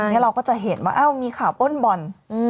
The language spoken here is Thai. แล้วเราก็จะเห็นว่ามีข่าวป้นบอล